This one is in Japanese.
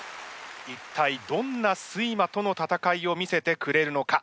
一体どんな睡魔との戦いを見せてくれるのか。